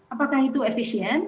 apakah itu efisien